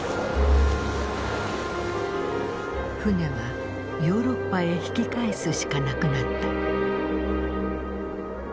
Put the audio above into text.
船はヨーロッパへ引き返すしかなくなった。